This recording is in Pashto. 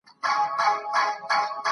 ډېر مهم پوهاوی: متکبِّر نه، مُبتَکِر اوسه